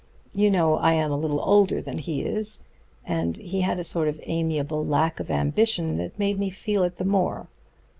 You know I am a little older than he is, and he had a sort of amiable lack of ambition that made me feel it the more.